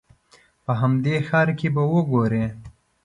په همدې ښار کې به وګورې.